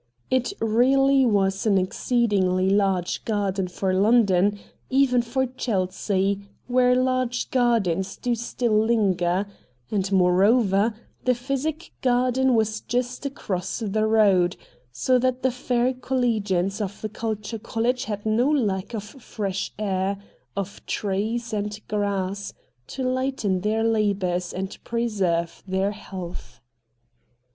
It really was an exceedingly large garden for London, even for Chelsea, where large gardens do still linger ; and, moreover, the Physic Garden was just across the road, so that the fair col legians of the Culture College had no lack of fresh air, of trees and grass, to hghten their labours and preserve their health.